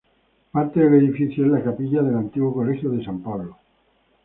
Parte del edificio es la Capilla del antiguo colegio San Pablo.